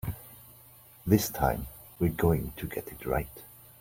This time we're going to get it right.